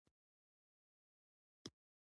پیاز له پخلي نه مخکې پرې کېږي